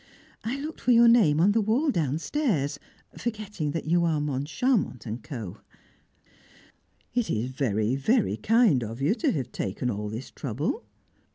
"I looked for your name on the wall downstairs, forgetting that you are Moncharmont & Co." "It is very, very kind of you to have taken all this trouble!"